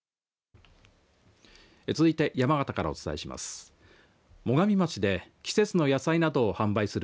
続いて山形からお伝えします。